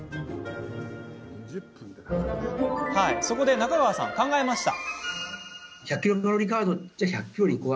そこで中川さん、考えました。